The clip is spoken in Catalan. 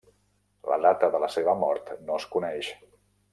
La data de la seva mort no es coneix.